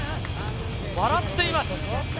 笑っています。